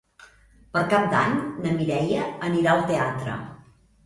Per Cap d'Any na Mireia anirà al teatre.